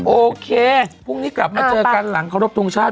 โอเคพรุ่งนี้กลับมาเจอกันหลังเคารพทงชาติ